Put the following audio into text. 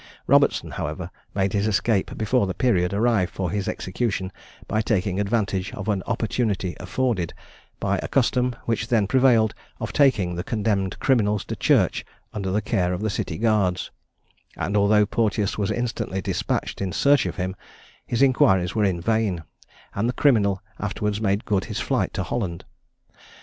Robertson, however, made his escape before the period arrived for his execution, by taking advantage of an opportunity afforded, by a custom which then prevailed, of taking the condemned criminals to church under the care of the city guards; and although Porteous was instantly despatched in search of him, his inquiries were in vain, and the criminal afterwards made good his flight to Holland.